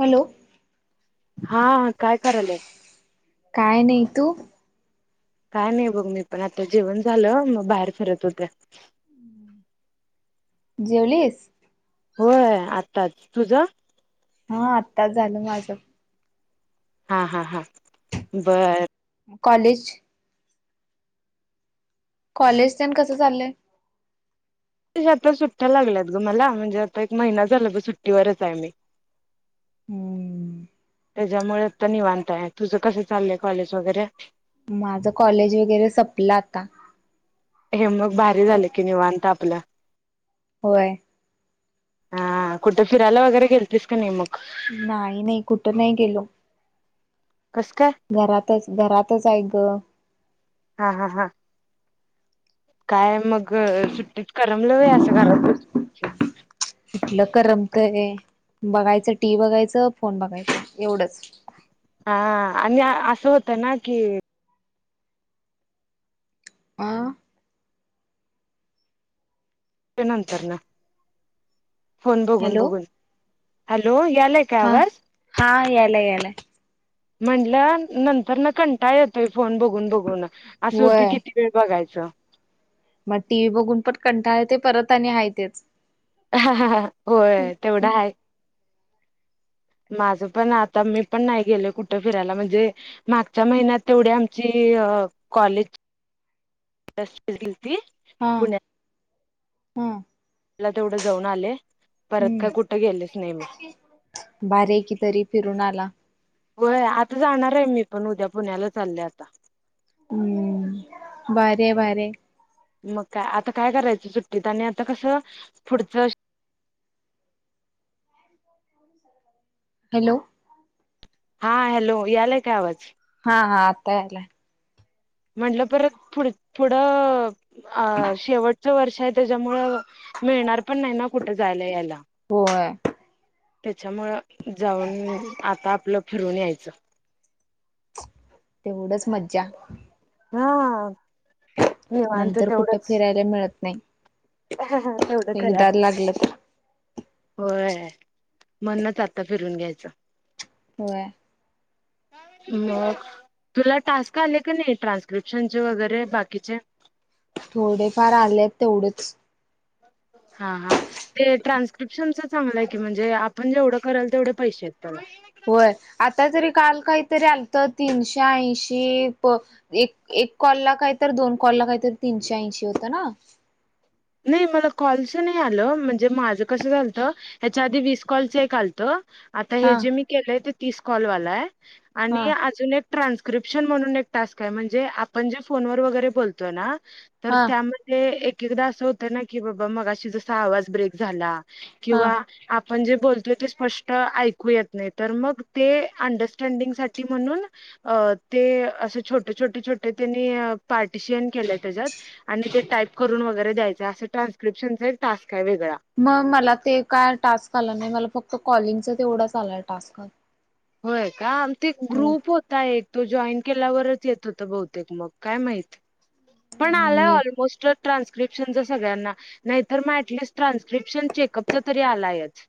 Hello हा काय करायलय काय नाही तु काय नाही बघ मी पण आता जेवण झालं मग बाहेर फिरत होते. जेवली होय आताच तुझ हा आत्ताच झालं माझं हा हा हा बर कॉलेज कॉलेज त्यान कसं चाललंय आता सुट्ट्या लागल्यात ग मला म्हणजे आता एक महिना झाला ग सुट्टीवरच आहे मी [unintelligible] अन ऎंटिलेजेबल हम्म त्याच्यामुळेच त निवांतय तुझं कसं चाललय कॉलेज वगैरे माझ कॉलेज वगैरे संपल आता हे मग भारी झाले की निवांत आपल होय हा कुठ फिराला वगैरे गेलतीस तीसक का नाही मग नाही नाही कुठ नाही गेलो कस काय घरातच घरातच आहे ग हा हा हा काय मग सुट्टीत करमलवय अस घरात बसुन कुठल करमतय बघायच टी व्ही बघायच फोन बघायच एवढच हा आणि अस होत ना कि आह नंतर ना फोन बघुन हॅलो बघुन हॅलो यालाय का हा आवाज हा याला याला म्हटलं नंतरन कंटाळा येतोय फोन बघुन बघुन, अस होतय होय किती वेळ बघायच चा. मग टी व्ही बघुन पण कंटाळा येते, परत आणि हाय तेच. होय तेवढं‌ हाय. माझं पण आता मी पण नाही गेले कुठं फिरायला म्हणजे मागच्या महिन्यात तेवढी आमची ते अ कॉलेज [unintelligible] गेलती पुण्यात ह्म्म ला तेवढं जाऊन आले. परत हम्म काय कुठे गेलेच नाही मी. भारी आहे की तरी फिरून आला. व्हय, आता जाणार आहे मी पण उद्या पुण्याला चालले आता. हम्म, भारीय भारीय. मग काय, आता काय करायचं सुुट्टीत आणि आता कसं पुढचं शि हॅलो! हा हॅलो! यालाय काय आवाज? हा हा, आता यालाय. म्हटलं परत पु पुढं अ शेवटचं वर्ष आहे त्याच्यामुळं मिळणार पण नाही ना कुठं जायला यायला. होय त्याच्यामुळं जाऊन आता आपलं फिरून यायचं. तेवढंच मज्जा. हा, निवांत नंतर कुठं तेवढंच. फिरायला मिळत नाही तेवढं खरं आहे, एकदा लागलं तर होय. म्हणूनच आता फिरून घ्यायचं. होय. का मग, तुला टास्क आले का नाही ट्रान्स्क्रिप्शनचे वगैरे बाकीचे? थोडेफार आल्यात तेवढंच. हा हा, ते ट्रान्स्क्रिप्शनचं चांगलं आहे की म्हणजे आपण जेवढं करल तेवढं पैसे आहेत. त्याला होय. आता जरी काल काहीतरी आलत तीनशे ऐंशी, एक कॉलला काही तर दोन कॉलला काहीतरी तीनश ऐंशी होत ना [inaudible] नाही मला कॉलच नाही आल म्हणजे माझं कसं झालतं ह्याच्या आधी वीस कॉलच एक आलतं आता हे हा जे मी केलंय ते तीस कॉलवालाय, आणि हा अजून एक ट्रान्स्क्रिप्शन म्हणून एक टास्क आहे. म्हणजे आपण जे फोन वर वगैरे बोलतोय ना तर हा त्यामध्ये एक एकदा असं होतं ना की बाबा मगाशी जसा आवाज ब्रेक झाला हा किंवा आपण म्हणजे बोलतोय ते स्पष्ट ऐकू येत नाही तर मग ते अंडरस्टँडिंगसाठी म्हणून अ ते असं छोटे, छोटे, छोटे त्यांनी पार्टिशिन केलय त्याच्यात, आणि टाइप करून वगैरे द्यायचय, असं ट्रान्सलेशन एक टास्क आहे वेगळा. मग मला ते काय टास्क आलं नाही मला फक्त कॉलिंगचा तेवढंच आलाय टास्क होय का ते एक ग्रुप होता एक तो जॉईन केल्यावरच येत होत बहुतेक, मग काय माहित पण आलाय मी ऑलमोस्ट ट्रान्क्रिप्शन सगळ्यांना नाहीतर मग ऍटलिस्ट ट्रान्स्क्रिप्शन चेकअप तरी आलायच. [inaudible]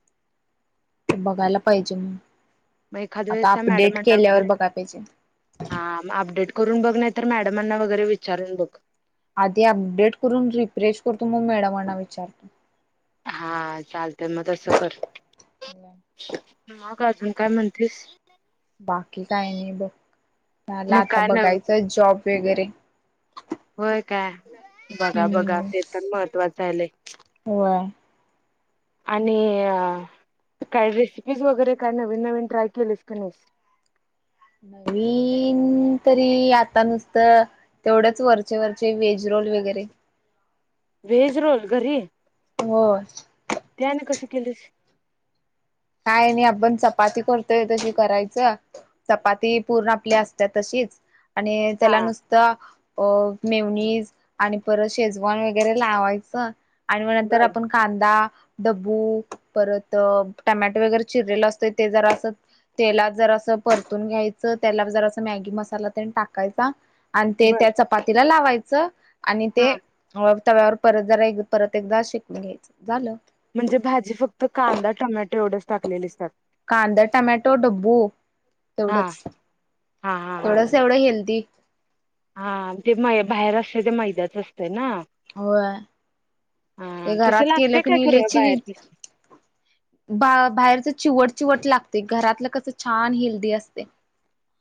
बघायला पाहिजे मग मग एखाद आता वेळेस त्या अपडेट मॅडमांना केल्यावर वगैरे, बघाय पाहिजे. हां अपडेट करून बघ नाही तर मॅडमांना वगैरे विचारून बघ आधी अपडेट करून रिप्रेश करतो मग मॅडमांना विचारतो. हा चालतय मग तस कर अजून काय म्हणतीस बाकी काय नाही बघ,,, मला मग आता काय नवीन बघायचंच जॉब वगैरे. होय काय. बघा बघा हम्म ते तर महत्वाच हाय लय. होय आणिऽऽऽ काही रेसिपीज वगैरे काय नवीन नवीन ट्राय केलीस का नाहीस. नवीन, तरी आता नुसतं तेवढचं,, वरचे वरचे वेज रोल वगैरे. व्हेज रोल घरी- हो [unintelligible] काय नाही आपण चपाती करतोय तशी करायचं चपाती पूर्ण आपली असतात तशी - आणि हा त्याला नुसत - अ मेवनीज आणि परत शेजवान वगैरे लावायचं. आणि मग नंतर बर आपण कांदा डब्बू परत. टमॅटो वगैरे चिरलेल असतं ते जरा असं! तेलात जर असं परतून घ्यायचं त्याला जर अस मॅगी मसाला त्या टाकायचा. आणि ते त्या बर चपातीला लावायचं आणि हा ते - तव्यावर परत जरा एक परत एकदा शिजवून घ्यायचं झालं. म्हणजे भाजी फक्त कांदा टमॅटो - तेवढच टाकलीस त्यात कांदा टमॅटो डब्बू हां - थोडंस एवढं हेल्दी - हा ते मै बाहेर असते ते मैद्यात असते ना. हो हा ते तसं घरात केलं लागते काय कणी लई खरं बाहेर [unintelligible] बा बाहेरच चिवट -चिवट लागते घरातलं कसं छान हेल्दी असते.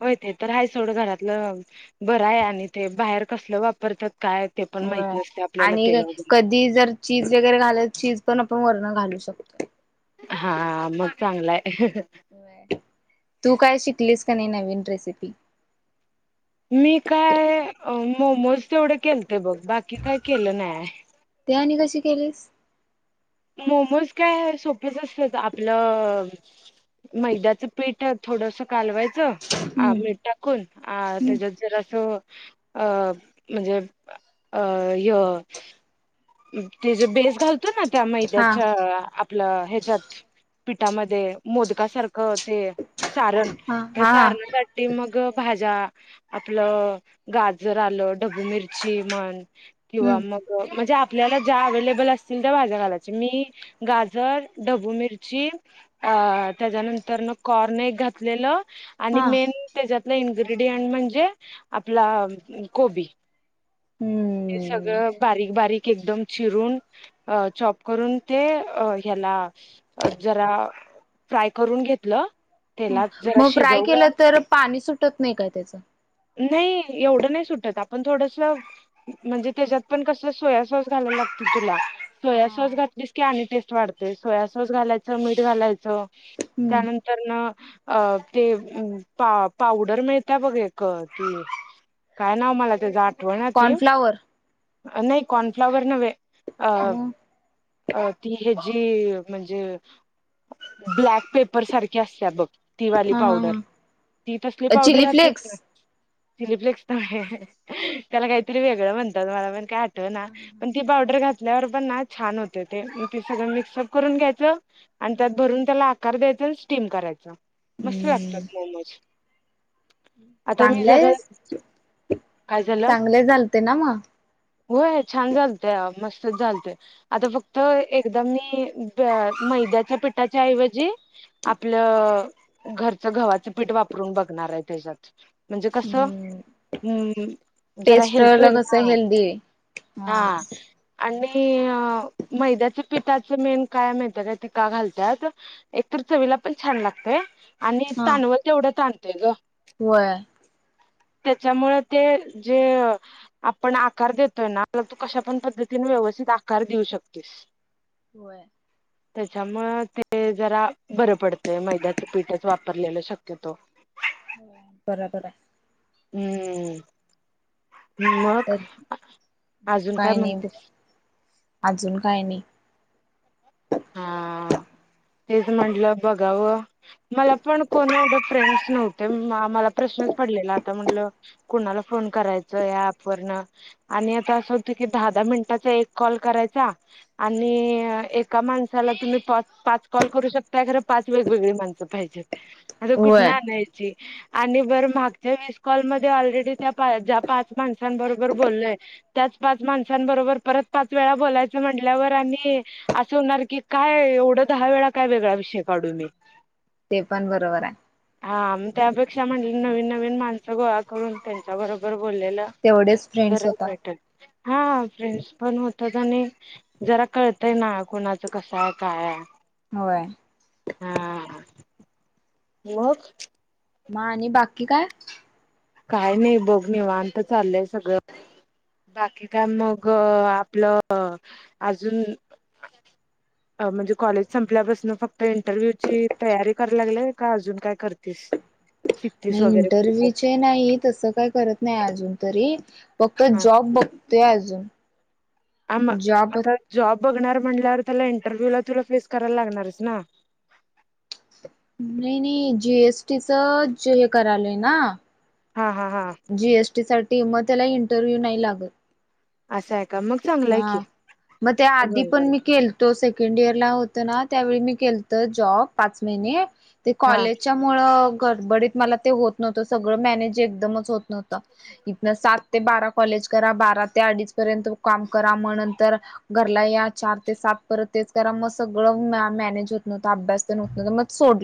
होय ते तर हा सोडं घरातलं बरं आहे आणि ते बाहेर कसलं वापरतात. काय ते पण माहित होय नसते आपल्याला तेल आणि वगैरे कधी जर चीज वगैरे घालं चीज पण - वरण घालू शकतो. हा मग चांगलाय! तू काय शिकलीस का नाही नवीन रेसिपी! मी काय मोमोज तेवढे केलते बघ - बाकी काय केलं नाय! ते [unintelligible] मोमोज काय सोपेच असत आपलं. मैद्याचं पेठ थोडस - कालवायचं हम्म मीठ टाकून अ हम्म त्याच्यात जरा असं - अं म्हणजे अ य - ते ज बेस घालतो ना त्या हा मैद्याच्या - आपलं ह्याच्यात पिठामध्ये मोदका सारखं - ते सारण हा तर हा हा सारणासाठी मग - भाज्या आपलं गाजर आलं ढबू मिरची मन - किंवा हम्म मग म्हणजे - आपल्याला ज्या अवेलेबल असतील त्या भाज्या घालायचे मी गाजर ढबू मिरची - अ त्याच्यानंतर मग कॉर्न एक घातलेलं. आणि हा मेन त्याच्यातला इन्ग्रेडियंट म्हणजे आपला कोबी- हे हम्म सगळं बारीक- बारीक एकदम चिरून चॉप करून ते ह्याला जरा - फ्राय करून घेतलं. तेलात जरा मग फ्राय शिजवलं केलं तर पाणी सुटत नाही काय त्याचं- नाही एवढं नाही सुटत आपण थोडस - म्हणजे त्याच्यात पण कसलं सोया सॉस घालयला लागत तुला - सोया सॉस घातलीस की आणि टेस्ट वाढते सोया सॉस घालायचं मीठ घालायचं - हम्म त्यानंतर न अ ते पा पावडर मिळत्या बघ. त काय नाव मला त्याच आठवण ते! कॉर्नफ्लावर नाही कॉर्नफ्लॉवर नव्हे अ मग - अ ती याची म्हणजे ब्लॅक पेपर सारखी असत्या बघ - तीवाली हा हा पावडर हा ती तसली पावडर चिली घातली. फ्लेक्स चिलीफ्लेक्स तर त्याला काहीतरी वेगळं म्हणतात मला पण काय - पण ती पावडर घातल्यावर पण ना छान होत ते ते सगळं मिक्सअप करून घ्यायचं आणि त्यात भरून त्याला आकार द्यायचा आणि स्टीम करायच मस्त लागतात मोमज चांगल्याय काय झालं चांगले चालते ना मग होय छान चालतय मस्त चालतय आता फक्त एकदा मीहि द्याच्या पीठाच्या ऐवजी आपलं घरच गव्हाच पीठ वापरून बघणार आहे त म्हणजे कस हम्म. हम् जरा हेल्दी टेस्टला होईल कसं ना हेल्दी आहे. हा आणि ह मैद्याच्या पिठाचं मेन काय माहत त का घालतात एकतर चवीला पण छान लागतय आणि हा ता णवल तेेवढं ताणतय ग होय त्याच्यामुळे ते जे आपण आकार देतोय ना तू कशा पण पद्धतीने व्यवस्थित आकार देऊ शकते होय त्याच्या मुळे ते जरा बरं पडते मैद्याचंपीठच वापरलेलं शक्यतो हो बरोबर आहे हम्म मग तरी म अजून काय म्हण नाही बग अजून काय नाही हा तेच म्हटलं बघावं मला पण कोणी ए फ्रेंड्स नव्हते मला प्रश्नच पड क एक मिनिटाचा एक कॉल करायचा आणि एका माणसाला तुम्ही पाच पाच कॉल करू शकता खरं पाच वेगवेगळी माणसं पाहिजेत आग कुठुन होय आणायची आणि बरं मागच्या वेळेस कॉलमध्येध्ये ऑलरेडी त्या ज्या पाच माणसांबरोबर बोललोय त्यात पाच पाच माणसांबरोबर परत पाच वेळा बोलायचं म्हटल्यावर आणि् असं होणार की काय एवढंत दहा वेळा काय वेगळा विषय काढू मी ते पण बरोबर आहे ा म्हण नवीन नवीन माणसं गोळा करून त्यांच्याबरोबर बले तेवढेच घर फ्रेंड्स होतात. वा हा फ्रेश पण होत त्यां आणि जरा कळतय ना कोणाचं कस आहे काय होय महक मा आणि बाकी काय काय नाही बघ निवांत चाललंय सगळं बाकी काय मग आपलं अजून म्हणजे कॉलेज संपल्यापासून फक्त इंटरव्ह्यू ची तयारी करायला लागले का अजून काय करतेस शिकतीस नाही वगैरे पुढचं इंटरव्ह्यूचे नाहीत तस काही करत नाही अजून तरी फक्त जॉब बघतोय अजून आ जॉब आता जॉब बघणार इ्ह क [inaudible] नाही नाही जीएसटीच हे करायलय ना हा हा हा जीएसटी साठी मग त्याला इंटरव्ह्यू नाही लागत असा हा मग त्या आधी पण मी केलतो सेकंड इयर होत ना त्यावेळी मी केलते जॉब पाच महिने हा कॉलेजच्या मु बर होत नव्हते सगळ मॅनेज एकदमच होत नव्हत इथ सात ते बारा कॉलेज अकरा बारा ते अडीच पर्यंत काम करा मग नंतर घरला या चार ते सात परत तेच करा मग सगळं मॅनेज हो ताब्या अस न म सोडली